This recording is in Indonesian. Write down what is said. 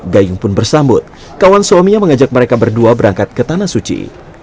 gayung pun bersambut kawan suaminya mengajak mereka berdua berangkat ke tanah suci